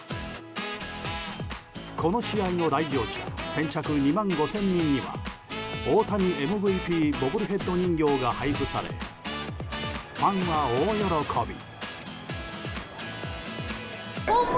この試合の来場者先着２万５０００人には大谷ＭＶＰボブルヘッド人形が配布され、ファンは大喜び。